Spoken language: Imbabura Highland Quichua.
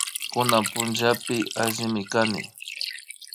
Kunan punllapi allimi kani